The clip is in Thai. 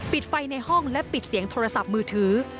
ปิดไฟในห้องและปิดเสียงโทรศัพท์มือถือ